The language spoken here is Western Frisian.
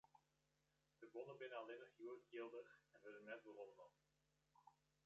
De bonnen binne allinnich hjoed jildich en wurde net weromnommen.